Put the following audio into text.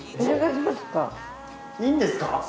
いいんですか？